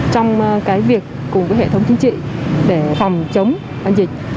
trong cái việc cùng với hệ thống chính trị để phòng chống dịch